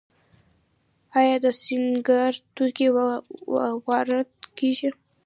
آیا د سینګار توکي وارد کیږي؟